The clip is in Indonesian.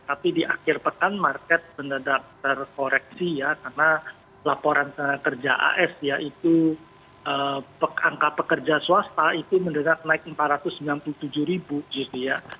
tapi di akhir pekan market benar benar terkoreksi ya karena laporan tenaga kerja as ya itu angka pekerja swasta itu benar benar naik empat ratus sembilan puluh tujuh ribu gitu ya